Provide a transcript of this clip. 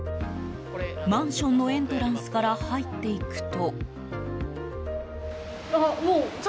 マンションのエントランスから入っていくと。